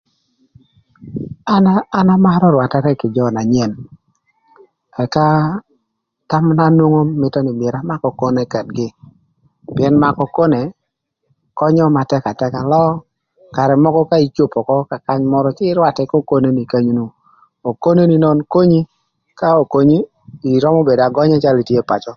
An amarö rwatara kï jö na nyen ëka thamana nwongo nï mïtö myero amak okone ködgï pïën makö okone könyö na tëkatëka löö karë mökö ka icop ökö kakany mörö cë rwatë k'okoneni kany nonu, okoneni nön konyi ka okonyi in ïrömö bedo agönya calö itye ï pacö.